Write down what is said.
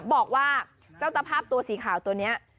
บอกว่าเจ้าตะภาพตัวสีขาวตัวนี้